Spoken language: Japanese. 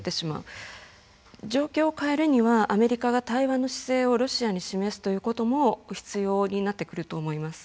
状況を変えるにはアメリカが対話の姿勢をロシアに示すということも必要になってくると思います。